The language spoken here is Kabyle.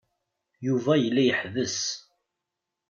Yuba yella iḥebbes.